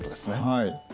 はい。